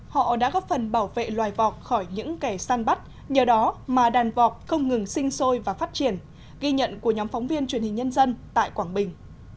họ đã góp phần bảo vệ loài vọc khỏi những kẻ săn bắt nhờ đó mà đàn vọc không ngừng sinh sôi và phát triển ghi nhận của nhóm phóng viên truyền hình nhân dân tại quảng bình